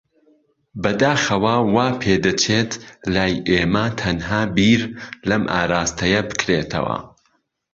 بەداخەوە، وا پێدەچێت لای ئێمە تەنها بیر لەم ئاراستەیە بکرێتەوە.